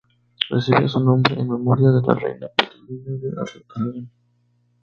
Recibía su nombre en memoria de la reina Petronila de Aragón.